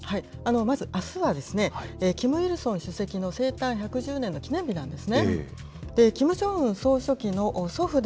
まず、あすはキム・イルソン主席の生誕１１０年の記念日なんですね。